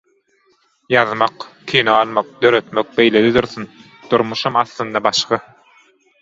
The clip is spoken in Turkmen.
Ýazmak, kino almak, döretmek beýlede dursun, durmuşam aslyndan başga.